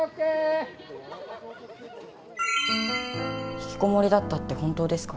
ひきこもりだったって本当ですか？